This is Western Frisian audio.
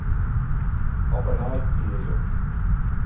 Op 'e nij kieze.